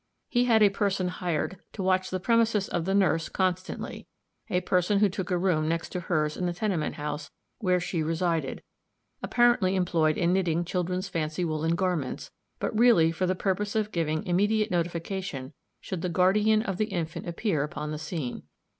He had a person hired to watch the premises of the nurse constantly; a person who took a room next to hers in the tenement house where she resided, apparently employed in knitting children's fancy woolen garments, but really for the purpose of giving immediate notification should the guardian of the infant appear upon the scene.